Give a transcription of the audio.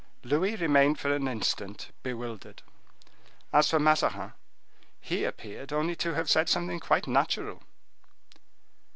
Louis remained for an instant bewildered. As for Mazarin, he appeared only to have said something quite natural.